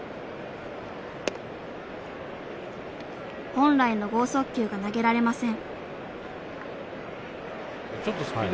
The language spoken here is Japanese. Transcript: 本来の剛速球が投げられません。